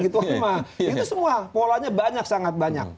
itu semua polanya banyak sangat banyak